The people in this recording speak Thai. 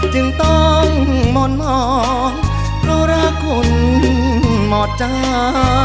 จึงต้องม่อนหมอนเพราะรักคนหมอดจ้า